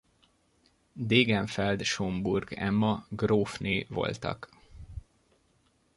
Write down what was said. Degenfeld-Schomburg Emma grófné voltak.